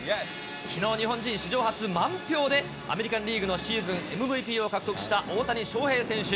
きのう、日本人史上初、満票で、アメリカンリーグのシーズンＭＶＰを獲得した大谷翔平選手。